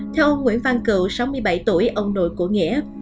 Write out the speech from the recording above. tại vì ông nội của nghĩa